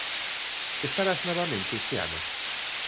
Estarás novamente este ano?